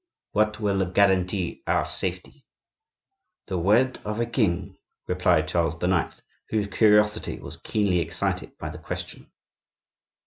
"What will guarantee our safety?" "The word of a king," replied Charles IX., whose curiosity was keenly excited by the question.